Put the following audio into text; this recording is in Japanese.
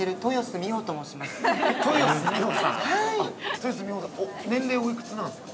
豊洲美穂さん、年齢はお幾つなんですか。